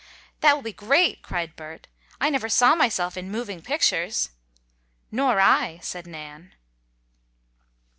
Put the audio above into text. "That will be great!" cried Bert. "I never saw myself in moving pictures." "Nor I," said Nan.